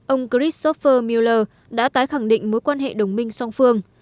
ông christopher mueller đã tái khẳng định mối quan hệ đồng minh song phương